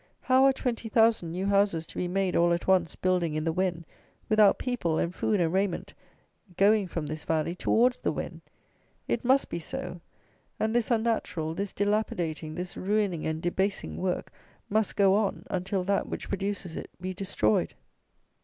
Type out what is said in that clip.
How are twenty thousand new houses to be, all at once, building in the Wen, without people and food and raiment going from this valley towards the Wen? It must be so; and this unnatural, this dilapidating, this ruining and debasing work must go on, until that which produces it be destroyed.